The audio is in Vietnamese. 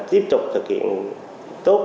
tiếp tục thực hiện tốt